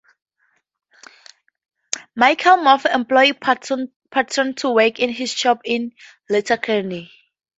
Michael Murphy employed Patton to work in his shop in Letterkenny.